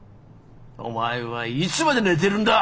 お前はいつまで寝てるんだ！